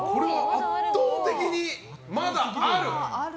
圧倒的に、まだある！